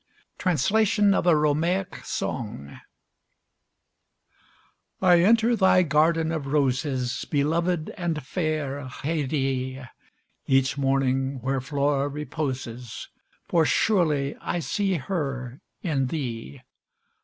TRANSLATION OF A ROMAIC SONG I enter thy garden of roses, Beloved and fair Haidée, Each morning where Flora reposes, For surely I see her in thee.